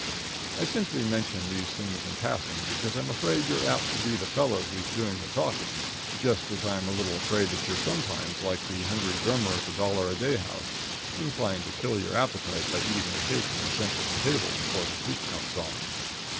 I simply mention these things in passing because I'm afraid you're apt to be the fellow who's doing the talking; just as I'm a little afraid that you're sometimes like the hungry drummer at the dollar a day house inclined to kill your appetite by eating the cake in the centre of the table before the soup comes on.